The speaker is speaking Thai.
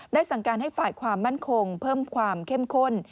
สั่งการให้ฝ่ายความมั่นคงเพิ่มความเข้มข้น